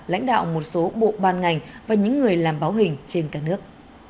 lãnh đạo một số bộ ban ngành và những người làm báo hình trên cả nước